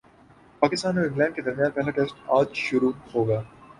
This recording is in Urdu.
پاکستان اور انگلینڈ کے درمیان پہلا ٹیسٹ اج شروع ہوگا